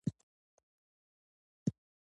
• زوی د مور د ژوند ګل وي.